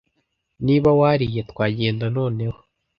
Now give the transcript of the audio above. Niba wariye twagenda noneho